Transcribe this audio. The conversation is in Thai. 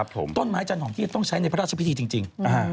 ต้นไม้จันทองที่ต้องใช้ในพระราชพิธีจริง